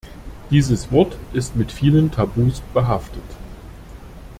Dieses Wort ist mit vielen Tabus behaftet.